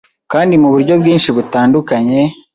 kandi muburyo bwinshi butandukanye